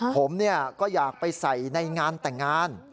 ผมก็อยากไปใส่ในงานแต่งงาน